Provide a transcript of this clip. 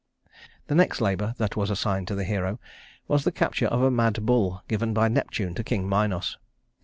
The next labor that was assigned to the hero was the capture of a mad bull given by Neptune to King Minos.